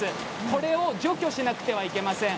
これを除去しなければいけません。